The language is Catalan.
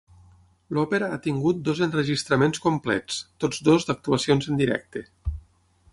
L'òpera ha tingut dos enregistraments complets, tots dos d'actuacions en directe.